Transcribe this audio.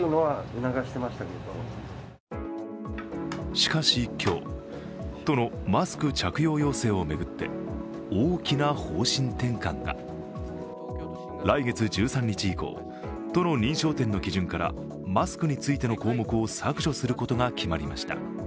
しかし今日、都のマスク着用要請を巡って大きな方針転換が。来月１３日以降、都の認証店の基準からマスクについての項目を削除することが決まりました。